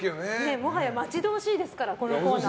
もはや待ち遠しいですからこのコーナー。